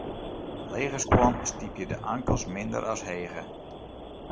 Lege skuon stypje de ankels minder as hege.